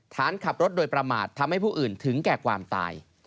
ฐานขับรถโดยประมาททำให้ผู้อื่นถึงแก่ความตาย